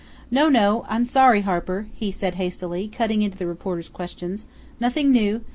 "No, no! I'm sorry, Harper," he said hastily, cutting into the reporter's questions. "Nothing new!